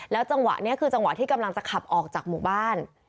จังหวะนี้คือจังหวะที่กำลังจะขับออกจากหมู่บ้าน